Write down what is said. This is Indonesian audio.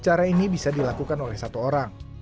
cara ini bisa dilakukan oleh satu orang